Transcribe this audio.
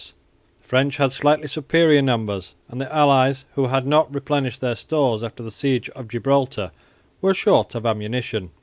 The French had slightly superior numbers, and the allies, who had not replenished their stores after the siege of Gibraltar, were short of ammunition.